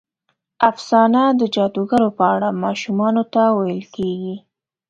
افسانه د جادوګرو په اړه ماشومانو ته ویل کېږي.